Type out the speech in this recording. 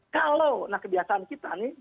kalau nah kebiasaan kita nih